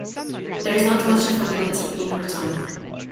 There is not much affability in her tone.